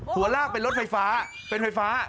หัวลากเป็นรถไฟฟ้า